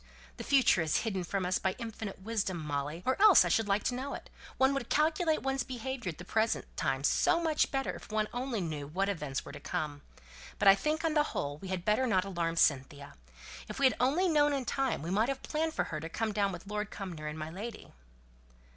The future is hidden from us by infinite wisdom, Molly, or else I should like to know it; one would calculate one's behaviour at the present time so much better if one only knew what events were to come. But I think, on the whole, we had better not alarm Cynthia. If we had only known in time we might have planned for her to have come down with Lord Cumnor and my lady."